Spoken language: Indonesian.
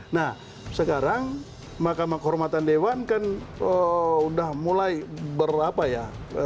nah sekarang mkd kan udah mulai berapa ya